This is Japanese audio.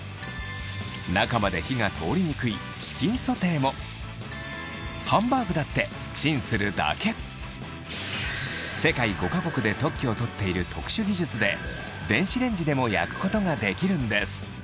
中まで火が通りにくいハンバーグだってチンするだけを取っている特殊技術で電子レンジでも焼くことができるんです